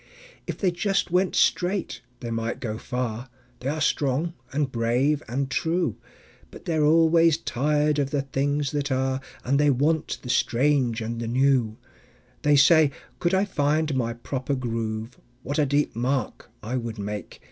If they just went straight they might go far; They are strong and brave and true; But they're always tired of the things that are, And they want the strange and new. They say: "Could I find my proper groove, What a deep mark I would make!"